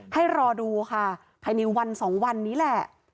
ให้รอดูค่ะภายในวัน๒วันนี้แหละ